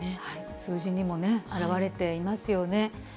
数字にも表れていますよね。